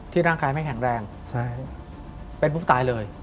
ที่ร่างกายไม่แข็งแรงเป็นฟุกตายเลย